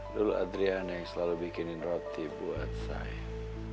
dulu adriana yang selalu bikinin roti buat saya